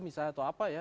misalnya atau apa ya